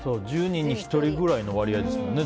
１０人に１人くらいの割合ですもんね。